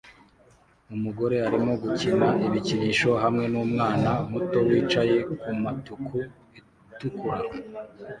Umugore arimo gukina ibikinisho hamwe numwana muto wicaye kumatuku itukura